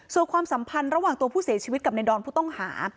ส่วนความสัมพันธ์ระหว่างตัวผู้เสียชีวิตกับในดอนผู้ต้องหา